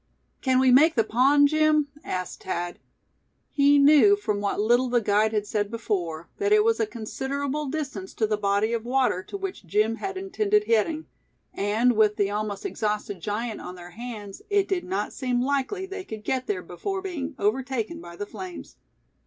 "Can we make the pond, Jim?" asked Thad. He knew from what little the guide had said before, that it was a considerable distance to the body of water to which Jim had intended heading; and with the almost exhausted giant on their hands, it did not not seem likely they could get there before being overtaken by the flames.